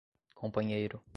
companheiro